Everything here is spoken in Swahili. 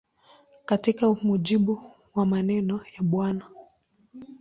Katika mujibu wa maneno ya Bw.